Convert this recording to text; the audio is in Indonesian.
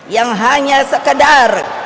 yang hanya sekedar